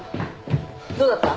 どうだった？